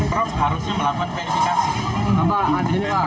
enggak penpro harusnya melakukan verifikasi